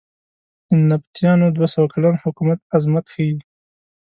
د نبطیانو دوه سوه کلن حکومت عظمت ښیې.